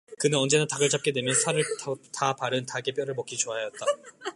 그는 언제나 닭을 잡게 되면 살을 다 바른 닭의 뼈를 먹기 좋아하였다.